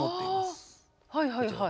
あはいはいはい。